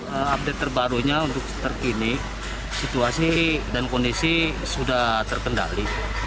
update terbarunya untuk terkini situasi dan kondisi sudah terkendali